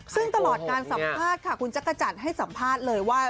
ซึ่งตลอดการสัมภาษณ์ค่ะคุณจักรจันทร์ให้สัมภาษณ์เลยว่า